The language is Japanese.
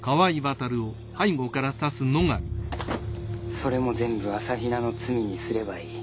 それも全部朝比奈の罪にすればいい。